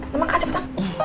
ya makan cepetan